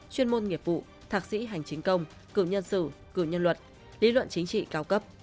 chuyên môn nghiệp vụ thạc sĩ hành chính công cử nhân sự cử nhân luật lý luận chính trị cao cấp